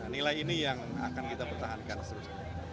nilai ini yang akan kita pertahankan terus